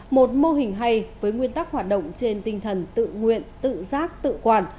một mô hình hay với nguyên tắc hoạt động trên tinh thần tự nguyện tự giác tự quản